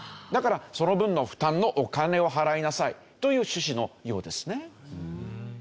だからその分の負担のお金を払いなさいという趣旨のようですね。